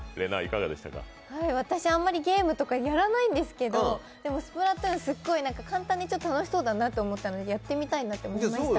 私、あまりゲームとかやらないんですけど、でも、「スプラトゥーン」すごい簡単で楽しそうだなと思ったのでやってみたいなと思いました。